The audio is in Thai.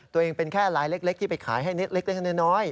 ตัวเองเป็นแค่ลายเล็กที่ไปขายให้เล็กน้อย